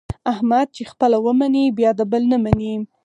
احمد چې خپله و مني بیا د بل نه مني.